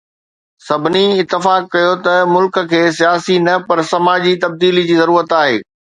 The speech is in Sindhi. سڀني اتفاق ڪيو ته ملڪ کي سياسي نه پر سماجي تبديلي جي ضرورت آهي.